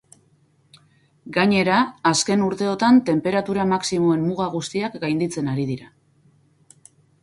Gainera, azken urteotan tenperatura maximoen muga guztiak gainditzen ari dira.